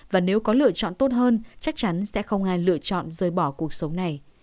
và nếu có lựa chọn tốt hơn chắc chắn sẽ không ai lựa chọn rời bỏ cuộc sống này